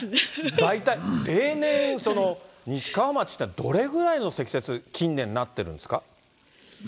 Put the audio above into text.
大体例年、西川町って、どれぐらいの積雪、近年なってるんですか？